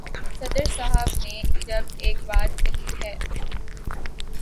صدر صاحب نے جب ایک بات کہی ہے۔